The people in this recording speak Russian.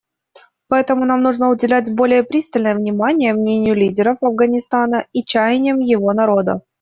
Поэтому нам нужно уделять более пристальное внимание мнению лидеров Афганистана и чаяниям его народа.